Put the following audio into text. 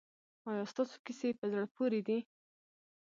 ایا ستاسو کیسې په زړه پورې دي؟